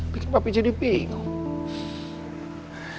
bikin papi jadi bingung